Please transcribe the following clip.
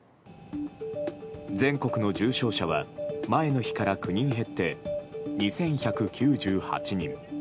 全国の重症者は前の日から９人減って２１９８人。